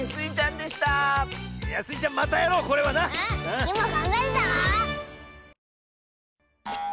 つぎもがんばるぞ！